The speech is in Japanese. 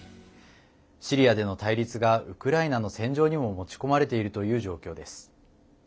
シリアでの対立がウクライナの戦場にも持ち込まれているという状況です。